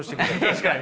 確かにね。